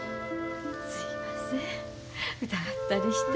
すいません疑ったりして。